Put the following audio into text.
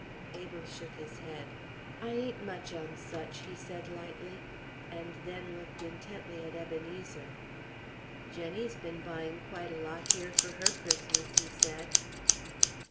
Abel shook his head. "I ain't much on such," he said lightly and then looked intently at Ebenezer. "Jenny's been buying quite a lot here for her Christmas," he said.